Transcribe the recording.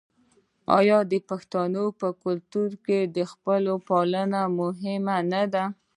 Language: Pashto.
آیا د پښتنو په کلتور کې د خپلوۍ پالل مهم نه دي؟